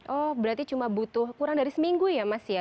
oh berarti cuma butuh kurang dari seminggu ya mas ya